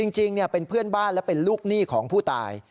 จริงเป็นเพื่อนบ้านและเป็นลูกหนี้ของผู้ตาย